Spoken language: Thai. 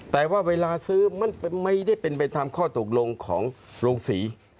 แต่ว่าเวลาซื้อมันไม่ได้เป็นไปตามข้อตกลงของโรงศรี